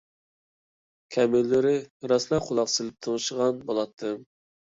كەمىنىلىرى راسا قۇلاق سېلىپ تىڭشىغان بولاتتىم.